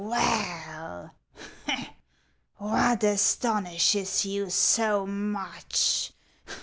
" Well, what astonishes you so much